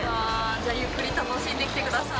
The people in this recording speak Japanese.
ゆっくり楽しんできてください。